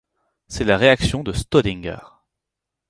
C'est la réaction de Staudinger.